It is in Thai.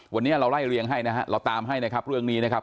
วันนี้เราไล่เรียงให้นะฮะเราตามให้นะครับเรื่องนี้นะครับ